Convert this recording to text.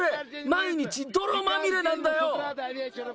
毎日泥まみれなんだよ！